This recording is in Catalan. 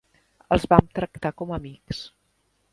Els vam tractar com amics.